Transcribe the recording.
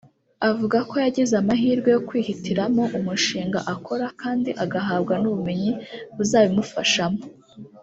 avuga ko yagize amahirwe yo kwihitiramo umushinga akora kandi agahabwa n’ubumenyi buzabimufashamo